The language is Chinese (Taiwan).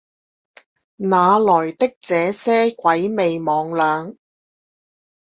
哪來的這些魑魅魍魎？